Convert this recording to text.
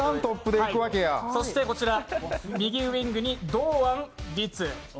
そして右ウイングに堂安律。